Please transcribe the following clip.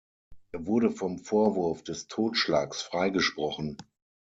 Er wurde vom Vorwurf des Totschlags freigesprochen.